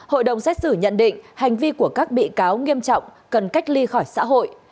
hội đồng xét xử nhận định hành vi của các bị cáo nghiêm trọng cần cách ly khỏi xã hội